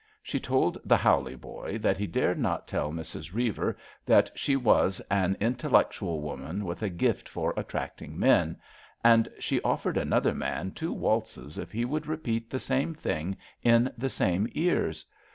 She told the Hawley boy '' that he dared not tell Mrs. Reiver that *^ she was an in tellectual woman with a gift for attracting men/* and she offered another man two waltzes if he would repeat the same thing in the same ears.